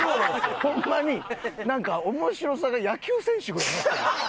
ホンマになんか面白さが野球選手ぐらいになってる。